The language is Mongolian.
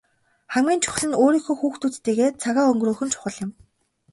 Хамгийн чухал нь өөрийнхөө хүүхдүүдтэйгээ цагийг өнгөрөөх нь чухал юм.